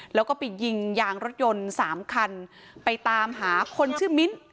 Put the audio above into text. แล้วก็ไปยิงยางรถยนต์สามคันไปตามหาคนชื่อมิ้น